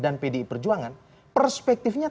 dan pdi perjuangan perspektifnya